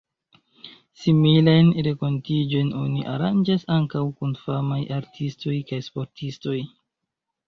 Similajn renkontiĝojn oni aranĝas ankaŭ kun famaj artistoj kaj sportistoj.